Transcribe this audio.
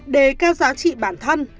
đề cao giá trị bản thân